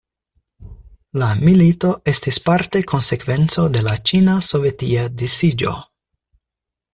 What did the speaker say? La milito estis parte konsekvenco de la Ĉina-sovetia disiĝo.